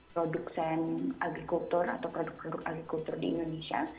produsen agrikultur atau produk produk agrikultur di indonesia